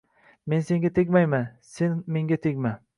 Men senga tegmayman, sen menga tegma